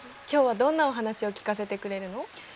今日はどんなお話を聞かせてくれるの？